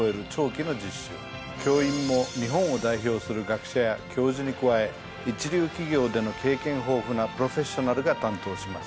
教員も日本を代表する学者や教授に加え一流企業での経験豊富なプロフェッショナルが担当します。